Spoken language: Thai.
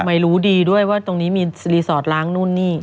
ไม่รู้ดีด้วยว่าตรงนี้มีรีสอร์ทล้างนู่นนี่